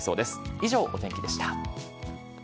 以上、お天気でした。